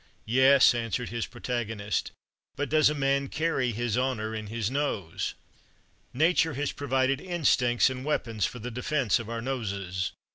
"Yes," answered his protagonist; "but does a man carry his honor in his nose?" Nature has provided instincts and weapons for the defence of our noses.